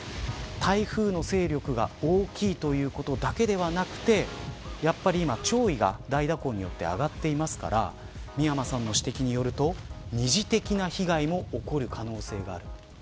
台風の勢力が大きいということだけではなくてやっぱり今、潮位が大蛇行によって上がっていますから美山さんの指摘によると二次的な被害も起こる可能性がある。